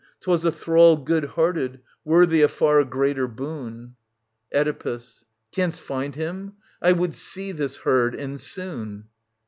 'Twas a thrall Good hearted, worthy a far greater boon. Oedipus. Canst find him ? I would see this herd, and soon.